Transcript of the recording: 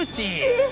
えっ！？